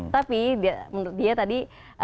tapi menurut dia tadi